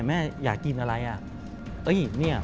แม่อยากกินอะไรอ่ะ